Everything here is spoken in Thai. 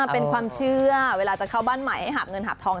เป็นความเชื่อเวลาจะเข้าบ้านใหม่ให้หาบเงินหาบทอง